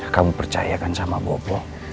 kamu percayakan sama bopo